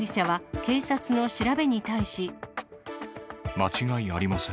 間違いありません。